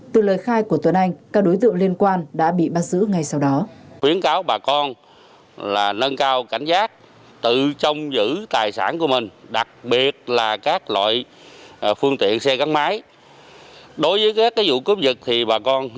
từ lời khai của tuấn anh các đối tượng liên quan đã bị bắt giữ ngay sau đó